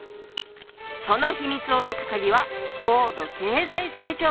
その秘密を解くカギは高度経済成長期。